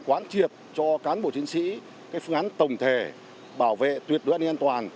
quán triệt cho cán bộ chiến sĩ cái phương án tổng thể bảo vệ tuyệt đối an ninh an toàn